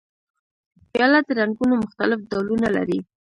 پیاله د رنګونو مختلف ډولونه لري.